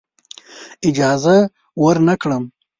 اجازه ورنه کړم.